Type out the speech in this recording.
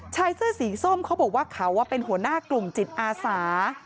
ชายเสื้อสีส้มเขาบอกว่าเขาเป็นหัวหน้ากลุ่มจิตอาสา